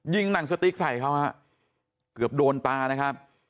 หนังสติ๊กใส่เขาฮะเกือบโดนตานะครับ